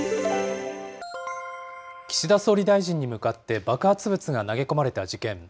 岸田総理大臣に向かって爆発物が投げ込まれた事件。